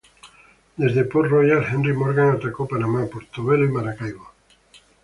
Desde Port Royal, Henry Morgan atacó Panamá, Portobelo y Maracaibo.